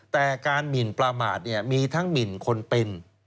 แต่การหมินปลาหมาดเนี่ยมีทั้งหมินคนเป็น